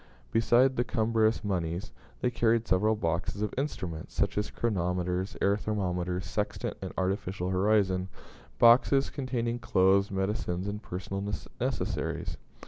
Besides the cumbrous moneys, they carried several boxes of instruments, such as chronometers, air thermometers, sextant, and artificial horizon, boxes containing clothes, medicines, and personal necessaries.